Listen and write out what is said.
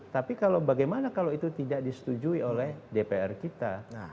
tapi bagaimana kalau itu tidak disetujui oleh dpr kita